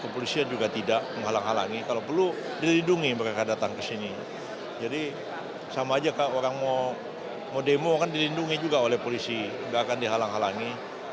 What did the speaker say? kepolisian juga tidak menghalang halangi kalau perlu dilindungi mereka datang ke sini jadi sama aja orang mau demo kan dilindungi juga oleh polisi nggak akan dihalang halangi